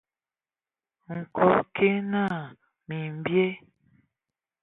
Nkɔg kig naa : "Mimbyɛ".